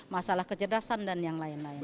masalah kecerdasan dan yang lain lain